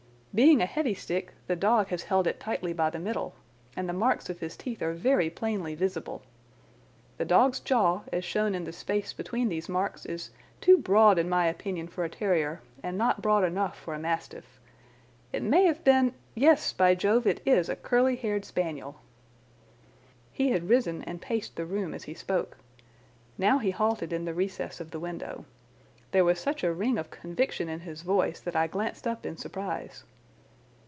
Being a heavy stick the dog has held it tightly by the middle, and the marks of his teeth are very plainly visible. The dog's jaw, as shown in the space between these marks, is too broad in my opinion for a terrier and not broad enough for a mastiff. It may have been—yes, by Jove, it is a curly haired spaniel." He had risen and paced the room as he spoke. Now he halted in the recess of the window. There was such a ring of conviction in his voice that I glanced up in surprise.